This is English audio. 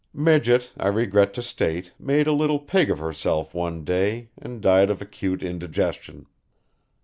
"Midget, I regret to state, made a little pig of herself one day and died of acute indigestion.